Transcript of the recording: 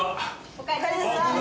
おかえりなさい。